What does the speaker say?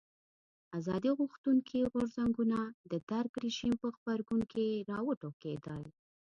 ازادي غوښتونکي غورځنګونه د درګ رژیم په غبرګون کې راوټوکېدل.